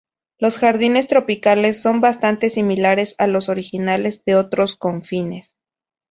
Los jardines tropicales son bastante similares a los originales de otros confines.